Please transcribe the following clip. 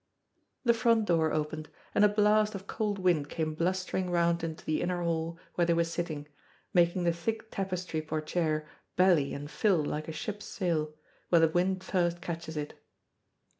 The front door opened, and a blast of cold wind came blustering round into the inner hall where they were sitting, making the thick tapestry portière belly and fill like a ship's sail, when the wind first catches it.